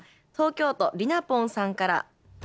東京都リナポンさんから。